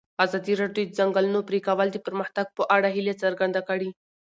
ازادي راډیو د د ځنګلونو پرېکول د پرمختګ په اړه هیله څرګنده کړې.